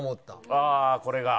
ああこれが？